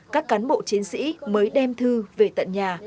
các cán bộ chiến sĩ mới đem thư về tận nhà